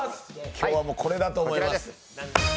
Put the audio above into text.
今日はこれだと思います。